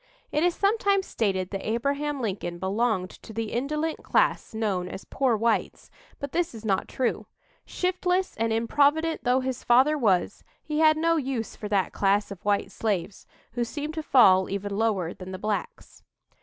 It is sometimes stated that Abraham Lincoln belonged to the indolent class known as "poor whites," but this is not true. Shiftless and improvident though his father was, he had no use for that class of white slaves, who seemed to fall even lower than the blacks.